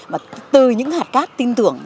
mà từ những hạt cát tin tưởng